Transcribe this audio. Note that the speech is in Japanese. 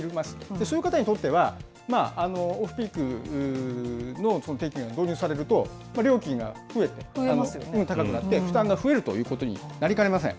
そういう方にとっては、オフピークの定期券導入されると、料金は増えて、高くなって、負担が増えるということになりかねません。